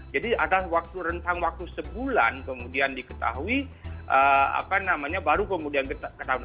jadi ada waktu rentang waktu sebulan kemudian diketahui baru kemudian ketahui